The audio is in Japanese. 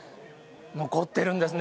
残ってるんですね。